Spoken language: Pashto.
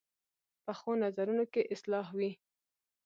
پخو نظرونو کې اصلاح وي